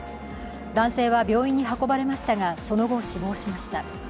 男性は病院に運ばれましたが、その後、死亡しました。